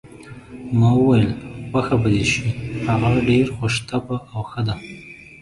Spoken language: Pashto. ما وویل: خوښه به دې شي، هغه ډېره خوش طبع او ښه ده.